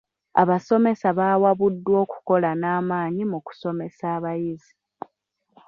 Abasomesa bawabuddwa okukola n'amaanyi mu kusomesa abayizi.